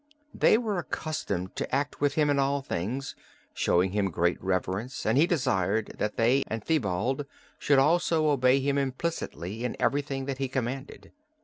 They were accustomed to act with him in all things, showing him great reverence, and he desired that they and Thibault should also obey him implicitly in everything that he commanded."